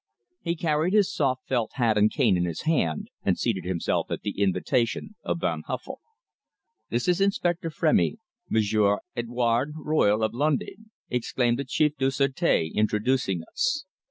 He carried his soft felt hat and cane in his hand, and seated himself at the invitation of Van Huffel. "This is Inspector Frémy Monsieur Edouard Royle, of Londres," exclaimed the Chef du Sureté, introducing us.